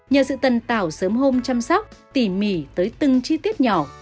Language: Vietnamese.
nhờ sự tần tảo sớm hôm chăm sóc tỉ mỉ tới từng chi tiết nhỏ